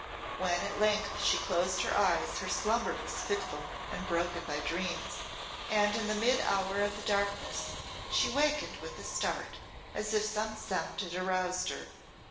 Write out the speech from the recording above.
When at length she closed her eyes her slumber was fitful and broken by dreams, and in the mid hour of the darkness she wakened with a start as if some sound had aroused her.